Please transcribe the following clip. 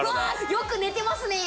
よく寝てますね。